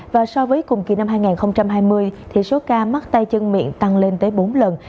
và so với cùng kỳ năm hai nghìn hai mươi thì số ca mắc tay chân miệng tăng lên tới bốn lần